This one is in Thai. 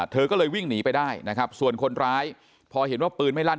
เธอก็เลยวิ่งหนีไปได้นะครับส่วนคนร้ายพอเห็นว่าปืนไม่ลั่น